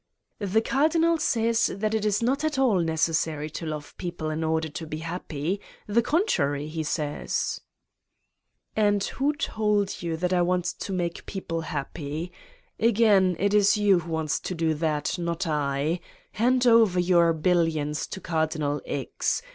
"The Cardinal says that it is not at all neces sary to love people in order to be happy. ... The contrary, he says!" "And who told you that I want to make people happy? Again, it is you who wants to do that, 89 Satan's Diary not I. Hand over your billions to Cardinal X.